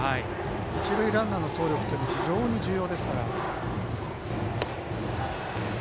一塁ランナーの走力は非常に重要ですから。